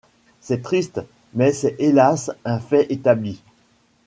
C'est triste, mais c'est hélas un fait établi.